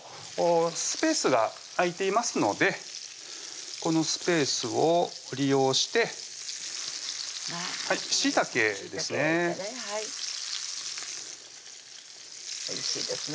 スペースが空いていますのでこのスペースを利用してしいたけですねおいしいですね